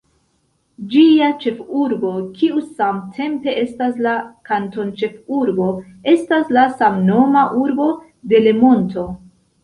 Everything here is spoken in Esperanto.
Ĝia ĉefurbo, kiu samtempe estas la kantonĉefurbo, estas la samnoma urbo Delemonto.